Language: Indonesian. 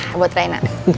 ya buat reina